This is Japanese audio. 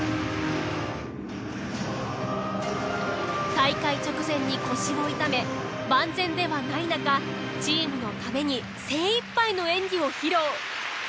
大会直前に腰を痛め万全ではない中チームのために精いっぱいの演技を披露。